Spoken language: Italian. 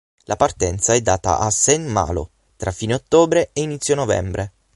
La partenza è data a Saint-Malo tra fine ottobre e inizio novembre.